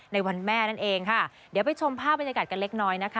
ในวันแม่นั่นเองค่ะเดี๋ยวไปชมภาพบรรยากาศกันเล็กน้อยนะคะ